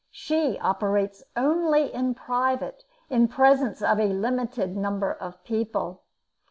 She operates only in private, in presence of a limited number of people.